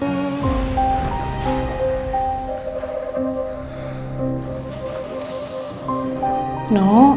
lalu kita berdua kembali ke rumah